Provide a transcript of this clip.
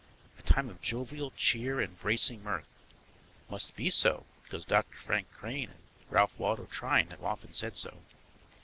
A time of jovial cheer and bracing mirth. Must be so, because Doctor Frank Crane and Ralph Waldo Trine have often said so.